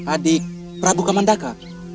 adik prabu kamandaka